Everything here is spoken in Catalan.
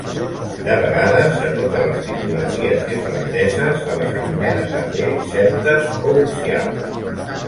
De vegades, a totes les tipografies irlandeses se les anomena també celtes o uncials.